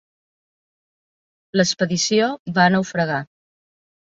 L'expedició va naufragar.